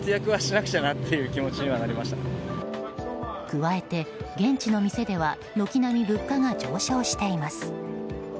加えて現地の店では軒並み物価が上昇しています。